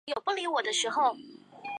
兵库县神户市出身。